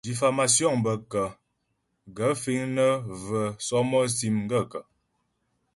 Diffámásyoŋ bə kə́ ? Gaə̂ fíŋ nə́ və̂ sɔ́mɔ́sì m gaə̂kə́ ?